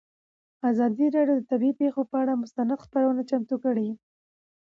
ازادي راډیو د طبیعي پېښې پر اړه مستند خپرونه چمتو کړې.